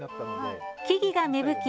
木々が芽吹き